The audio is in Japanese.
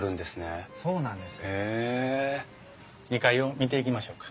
２階を見ていきましょうか。